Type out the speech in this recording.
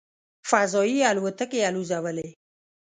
"فضايي الوتکې" الوځولې.